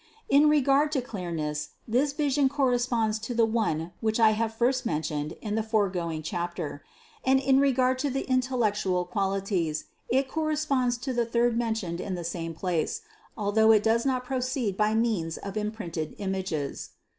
In regard to clearness, this vision corresponds to the one which I have first mentioned in the foregoing chapter, and in regard to the intellectual qualities it cor responds to the third mentioned in the same place, al though it does not proceed by means of imprinted images.